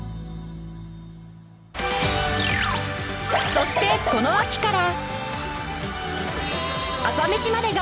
そしてこの秋から